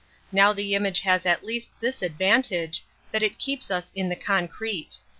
Now the image has at least this ad Wantage, that it keeps us in the concrete.